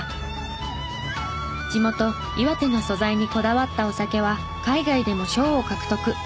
地元岩手の素材にこだわったお酒は海外でも賞を獲得。